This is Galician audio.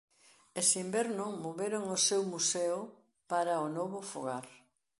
Ese inverno moveron o seu "museo" para o novo fogar.